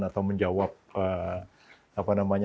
atau menjawab da'uan dari jaksa dan sebagainya